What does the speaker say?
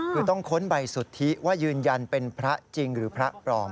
คือต้องค้นใบสุทธิว่ายืนยันเป็นพระจริงหรือพระปลอม